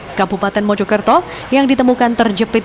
di kabupaten mojokerto yang ditemukan terjepit